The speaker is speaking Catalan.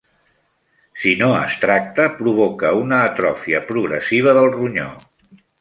Si no es tracta, provoca una atròfia progressiva del ronyó.